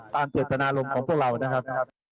ตามเจ็บขนาดลมของพวกเรานะครับ